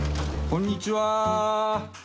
こんにちは。